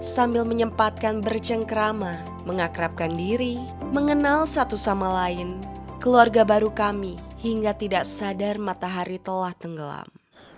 sambil menyempatkan bercengkrama mengakrabkan diri mengenal satu sama lain keluarga baru kami hingga tidak sadar matahari telah tenggelam